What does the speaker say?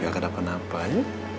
gak ada penampan